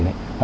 họ nhận thấy